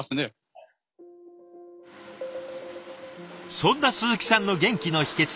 そんな鈴木さんの元気の秘けつ。